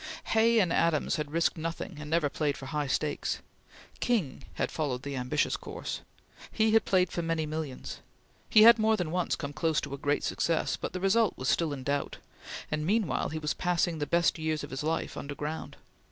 Hay and Adams had risked nothing and never played for high stakes. King had followed the ambitious course. He had played for many millions. He had more than once come close to a great success, but the result was still in doubt, and meanwhile he was passing the best years of his life underground.